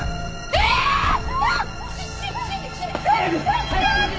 えっ。